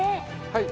はい。